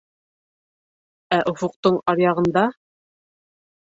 — Ә офоҡтоң аръяғында?